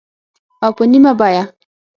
او په نیمه بیه